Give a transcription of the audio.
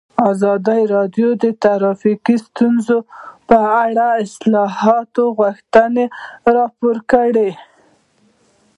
ازادي راډیو د ټرافیکي ستونزې په اړه د اصلاحاتو غوښتنې راپور کړې.